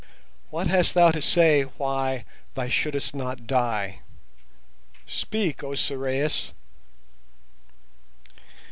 What hast thou to say why thou shouldst not die? Speak, O Sorais!"